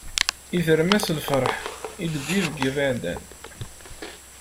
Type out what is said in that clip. Yedrem-as lferḥ i d-tewwi deg yiḍ iɛeddan.